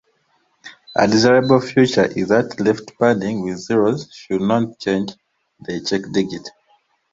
A desirable feature is that left-padding with zeros should not change the check digit.